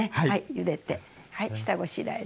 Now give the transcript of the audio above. ゆでてはい下ごしらえで。